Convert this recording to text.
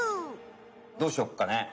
どうしよっかね？